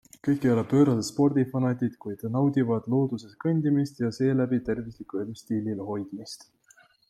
Kõik ei ole pöörased spordifanatid, kuid naudivad looduses kõndimist ja seeläbi tervisliku elustiili hoidmist.